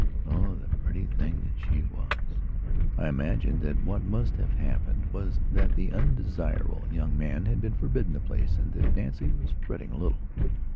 Oh, the pretty thing that she was.... I imagined that what must have happened was that the undesirable young man had been forbidden the place and that Nancy was fretting a little.